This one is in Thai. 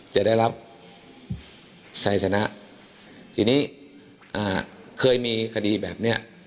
จะได้รับชัยชนะทีนี้เคยมีคดีแบบเนี่ย